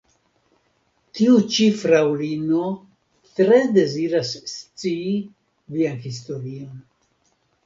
Tiu ĉi fraŭlino tre deziras scii vian historion.